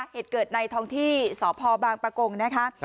เหตุเกิดในท้องที่สพบางประกงนะคะ